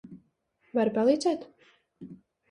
Vari palīdzēt?